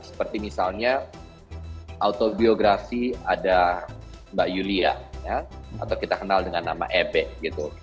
seperti misalnya autobiografi ada mbak yulia atau kita kenal dengan nama ebek gitu